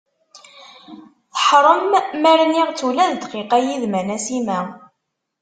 Taḥrem ma rniɣ-tt ula d dqiqa yid-m a Nasima.